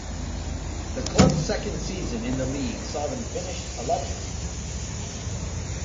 The club's second season in the league saw them finish eleventh.